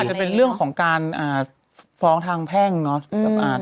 จะเป็นเรื่องของการฟ้องทางแพ่งเนาะ